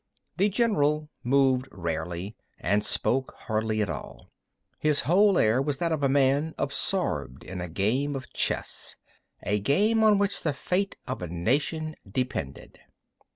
The general moved rarely, and spoke hardly at all. His whole air was that of a man absorbed in a game of chess—a game on which the fate of a nation depended.